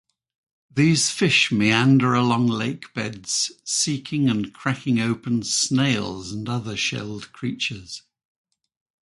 These fish meander along lakebeds, seeking and cracking open snails and other shelled creatures.